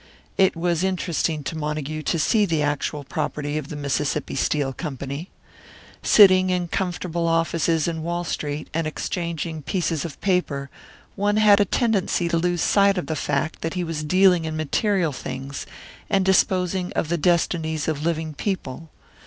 It was interesting to Montague to see the actual property of the Mississippi Steel Company. Sitting in comfortable offices in Wall Street and exchanging pieces of paper, one had a tendency to lose sight of the fact that he was dealing in material things and disposing of the destinies of living people.